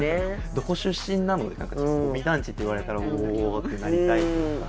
「どこ出身なの？」で「保見団地」って言われたら「おお」ってなりたいというか。